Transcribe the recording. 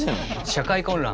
社会混乱